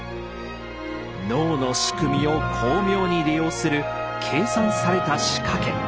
脳の仕組みを巧妙に利用する計算された「仕掛け」。